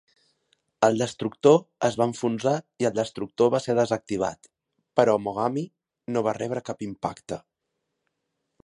El destructor es va enfonsar i el destructor va ser desactivat, però Mogami no va rebre cap impacte